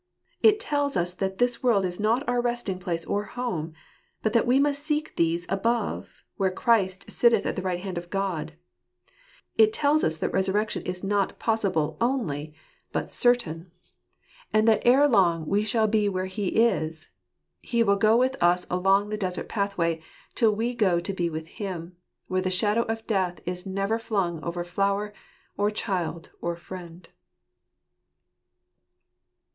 It tells us that this world is not our resting place or home ; but that we must seek these above, where Christ sitteth at the right hand of God. It tells us that resurrection is not possible only, but certain ; ,83 Joseph's fast gags anb geatb and that ere long we shall be where He is. He will go with ms along the desert pathway, till we go to be with Him, where the shadow of death is never flung over flower, or child, or friend.